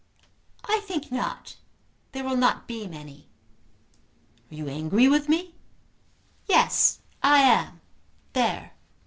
"I think not. There will not be many." "Are you angry with me?" "Yes, I am; there."